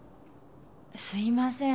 すいません。